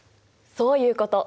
そういうこと！